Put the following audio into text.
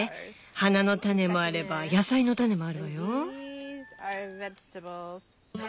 花の種もあれば野菜の種もあるわよ。